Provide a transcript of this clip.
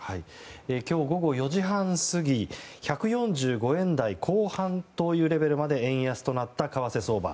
今日午後４時半過ぎ１４５円台後半というレベルまで円安となった為替相場。